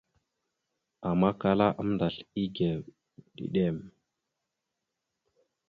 Ama kala aməndasl egew ɗiɗem.